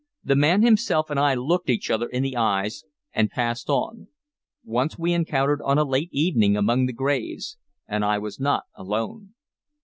The man himself and I looked each other in the eyes and passed on. Once we encountered on a late evening among the graves, and I was not alone.